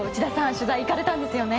取材行かれたんですよね。